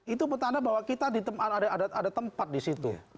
itu pertanda bahwa kita ada tempat di situ